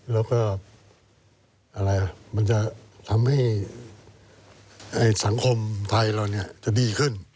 แล้วก็มันจะทำให้สังคมไทยเราจะดีขึ้น